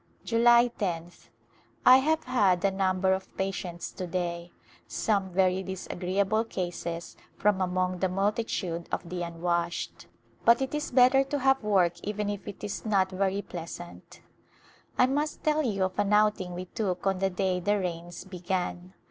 July loth. I have had a number of patients to day — some very disagreeable cases from among the multitude of the unwashed — but it is better to have work even if it is not very pleasant. I must tell you of an outing we took on the day the rains began.